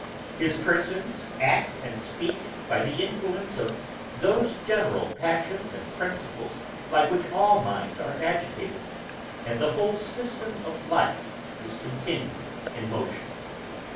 His persons act and speak by the influence of those general passions and principles by which all minds are agitated, and the whole system of life is continued in motion.